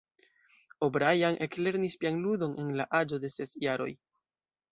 O’Brien eklernis pianludon en la aĝo de ses jaroj.